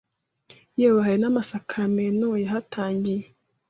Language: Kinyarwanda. yewe hari n’amasakaramentu yahatangiye